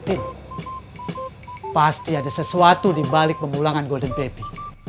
mungkin pasti ada sesuatu di balik pemulangan golden baby